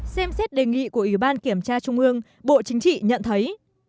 xem xét đề nghị của ủy ban kiểm tra trung ương bộ chính trị nhận thấy